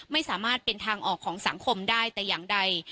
ไม่สามารถเป็นทางออกของสังคมได้แต่อย่างใด